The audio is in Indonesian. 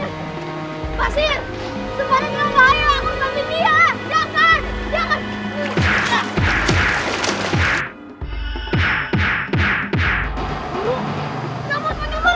entar kamu yang dikangkat sama buaya